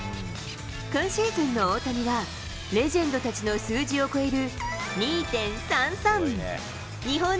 今シーズンの大谷は、レジェンドたちの数字を超える２．３３。